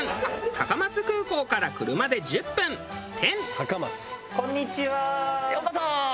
高松空港から車で１０分てん。